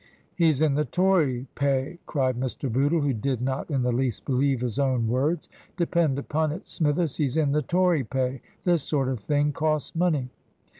" He's in the Tory pay !" cried Mr. Bootle, who did not in the least believe his own words ;" depend upon it, Smithers, he's in the Tory pay. This sort of thing costs money."